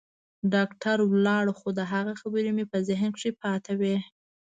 ډاکتر ولاړ خو د هغه خبرې مې په ذهن کښې پاتې وې.